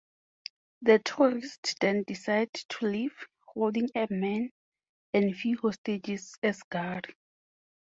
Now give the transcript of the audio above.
The terrorists then decide to leave, holding a man and few hostages as guard.